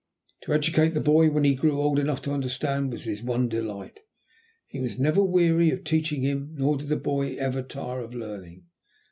To educate the boy, when he grew old enough to understand, was his one delight. He was never weary of teaching him, nor did the boy ever tire of learning.